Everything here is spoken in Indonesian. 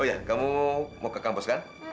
oh ya kamu mau ke kampus kan